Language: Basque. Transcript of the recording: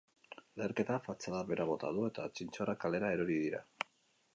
Leherketak fatxada behera bota du, eta txintxorrak kalera erori dira.